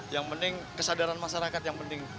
yang penting kesadaran masyarakat yang penting